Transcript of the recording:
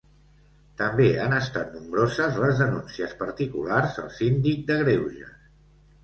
També han estat nombroses les denúncies particulars al Síndic de Greuges.